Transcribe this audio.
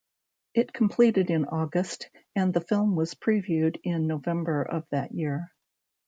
It completed in August and the film was previewed in November of that year.